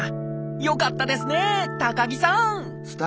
よかったですね高木さん！